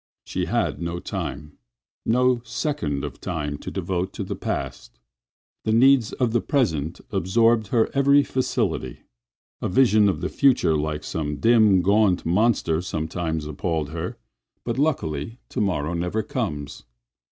She had no time—no second of time to devote to the past. The needs of the present absorbed her every faculty. A vision of the future like some dim, gaunt monster sometimes appalled her, but luckily to morrow never comes.